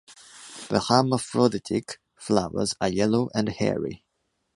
The hermaphroditic flowers are yellow and hairy.